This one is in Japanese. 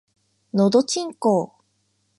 のどちんこぉ